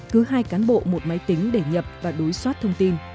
cứ hai cán bộ một máy tính để nhập và đối soát thông tin